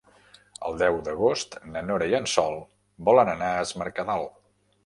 El deu d'agost na Nora i en Sol volen anar a Es Mercadal.